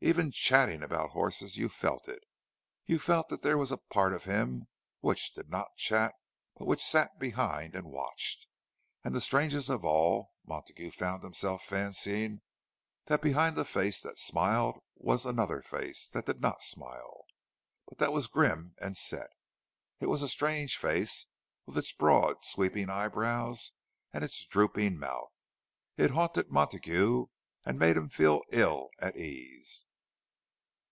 Even chatting about horses, you felt it; you felt that there was a part of him which did not chat, but which sat behind and watched. And strangest of all, Montague found himself fancying that behind the face that smiled was another face, that did not smile, but that was grim and set. It was a strange face, with its broad, sweeping eyebrows and its drooping mouth; it haunted Montague and made him feel ill at ease.